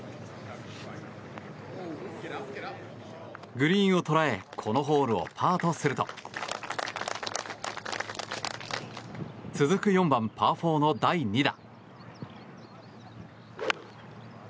グリーンを捉えこのホールをパーとすると続く４番、パー４の第２打。